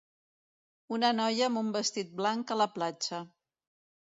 Una noia amb un vestit blanc a la platja.